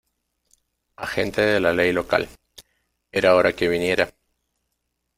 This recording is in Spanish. Agente de la ley local. Era hora que viniera .